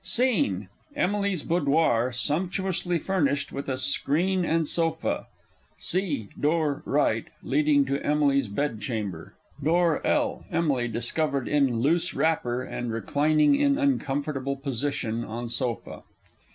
SCENE. EMILY'S Boudoir, sumptuously furnished with a screen and sofa, C. Door, R., leading to EMILY'S Bed chamber. Door, L. EMILY _discovered in loose wrapper, and reclining in uncomfortable position on sofa.